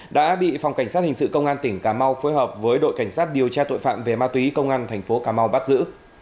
đã bị phòng cảnh sát hình sự công an tỉnh cà mau phối hợp với đội cảnh sát điều tra tội phạm về ma túy công an thành phố cà mau bắt giữ